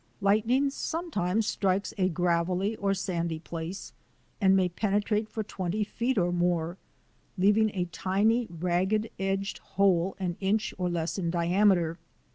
Lightning sometimes strikes a gravelly or sandy place and may penetrate for twenty feet or more, leaving a tiny, ragged edged hole an inch or less in diameter.